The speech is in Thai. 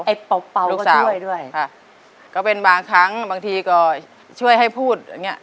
เห็นไอป้าวป้าวก็ช่วยด้วยครับก็เป็นบางครั้งบางทีก็ช่วยให้พูด